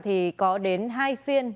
thì có đến hai phiên